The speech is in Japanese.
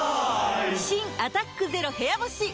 新「アタックＺＥＲＯ部屋干し」解禁‼